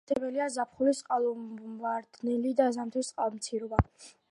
დამახასიათებელია ზაფხულის წყალმოვარდნები და ზამთრის წყალმცირობა.